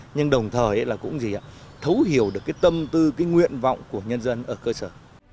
nhưng đồng thời cũng thấu hiểu được tâm tư nguyện vọng của nhân dân ở cơ sở